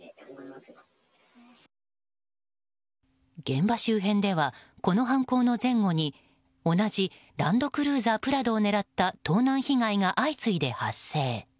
現場周辺ではこの犯行の前後に同じランドクルーザープラドを狙った盗難被害が相次いで発生。